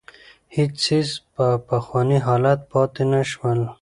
هېڅ څېز په پخواني حالت پاتې نه شول.